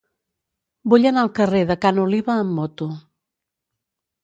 Vull anar al carrer de Ca n'Oliva amb moto.